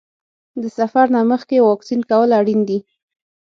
د سفر نه مخکې واکسین کول اړین دي.